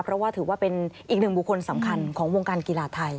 เพราะว่าถือว่าเป็นอีกหนึ่งบุคคลสำคัญของวงการกีฬาไทย